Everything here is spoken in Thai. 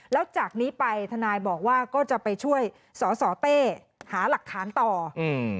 แล้วจากนี้ไปทนายบอกว่าก็จะไปช่วยสอสอเต้หาหลักฐานต่ออืม